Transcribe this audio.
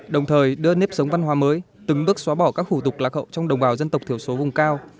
đồng thời đưa nếp sống văn hóa mới từng bước xóa bỏ các khủ tục lạc hậu trong đồng bào dân tộc thiểu số vùng cao